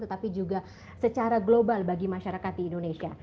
tetapi juga secara global bagi masyarakat di indonesia